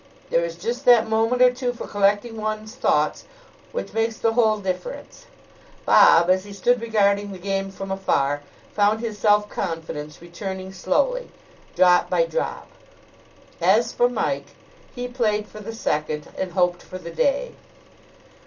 There is just that moment or two for collecting one's thoughts which makes the whole difference. Bob, as he stood regarding the game from afar, found his self confidence returning slowly, drop by drop. As for Mike, he played for the second, and hoped for the day.